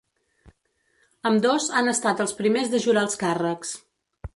Ambdós han estat els primers de jurar els càrrecs.